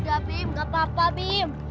udah bim gak apa apa bim